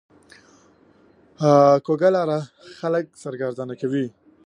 کوږه لار خلک سرګردانه کوي